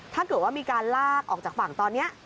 ถ้าเกิดว่ามีการลากออกจากฝั่งตอนนี้